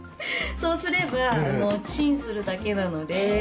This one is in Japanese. そうすればチンするだけなので。